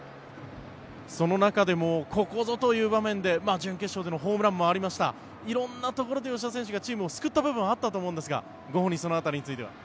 その中でもここぞという場面で準決勝でのホームランもありました色んなところで吉田選手がチームを救ったところあったかと思いますがご本人その辺りについては？